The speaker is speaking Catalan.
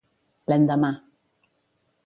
L'endemà.